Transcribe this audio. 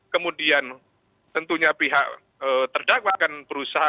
kemudian tentunya pihak terdakwa akan berusaha